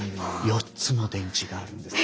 ４つも電池があるんです。